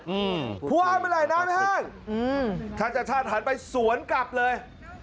อืมพอเมื่อไหร่น้ำแห้งถ้าจะชาติหันไปสวนกลับเลย